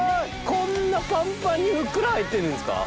こんなパンパンにふっくら入ってるんですか？